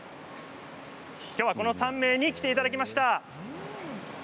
きょうはこの３名に来ていただきました。